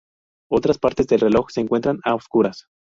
Otras partes del reloj se encuentran a oscuras.